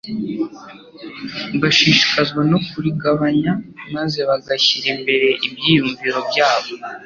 Bashishikazwa no kurigabanya maze bagashyira imbere ibyiyumviro byabo